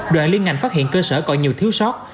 đoàn liên ngành phát hiện cơ sở còn nhiều thiếu sót